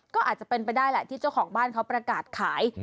ก็อาจจะเป็นไปได้แหละที่เจ้าของบ้านเขาประกาศขาย